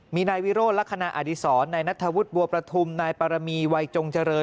มีนายวิโรธลักษณะอดีศรนายนัทธวุฒิบัวประทุมนายปรมีวัยจงเจริญ